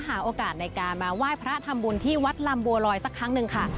หาโอกาสในการมาไหว้พระทำบุญที่วัดลำบัวลอยสักครั้งหนึ่งค่ะ